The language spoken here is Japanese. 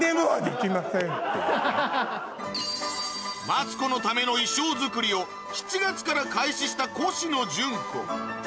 マツコのための衣装作りを７月から開始したコシノジュンコ